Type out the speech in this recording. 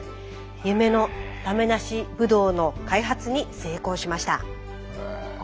夢の種なしブドウの開発に成功しました。